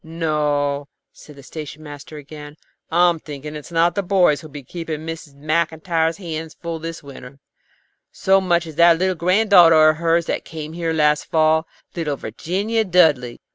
"No," said the station master again, "I'm thinking it's not the boys who will be keeping Mrs. Maclntyre's hands full this winter, so much as that little granddaughter of hers that came here last fall, little Virginia Dudley.